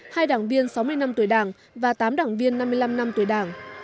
hai đảng viên sáu mươi năm tuổi đảng và tám đảng viên năm mươi năm năm tuổi đảng